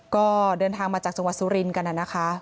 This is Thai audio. ก็เดินทางมาจากจังหวัดสุรินทร์กันนะคะ